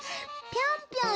ぴょんぴょん？